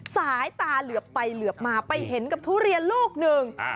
สายตาเหลือบไปเหลือบมาไปเห็นกับทุเรียนลูกหนึ่ง